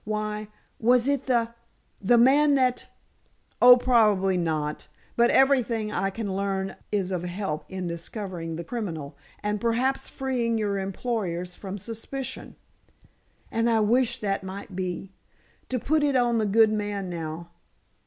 Why—was it the—the man that——" "Oh, probably not. But everything I can learn is of help in discovering the criminal and perhaps freeing your employers from suspicion." "And I wish that might be! To put it on the good man, now!